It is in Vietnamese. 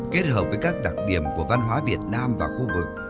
kết hợp với các đặc điểm của văn hóa việt nam và khu vực